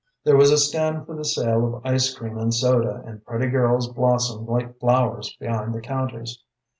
There was a stand for the sale of ice cream and soda, and pretty girls blossomed like flowers behind the counters.